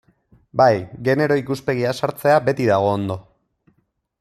Bai, genero ikuspegia sartzea beti dago ondo.